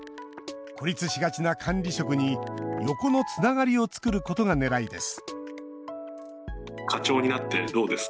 孤立しがちな管理職に横のつながりを作ることがねらいです